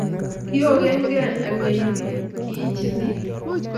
kiokengen alenvhi kiichilil.